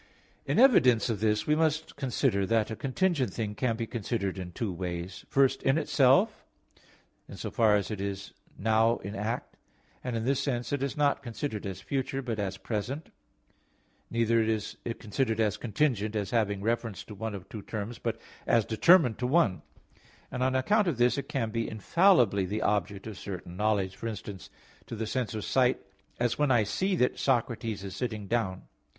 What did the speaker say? In evidence of this, we must consider that a contingent thing can be considered in two ways; first, in itself, in so far as it is now in act: and in this sense it is not considered as future, but as present; neither is it considered as contingent (as having reference) to one of two terms, but as determined to one; and on account of this it can be infallibly the object of certain knowledge, for instance to the sense of sight, as when I see that Socrates is sitting down.